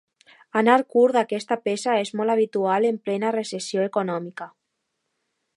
Anar curt d'aquesta peça és molt habitual en plena recessió econòmica.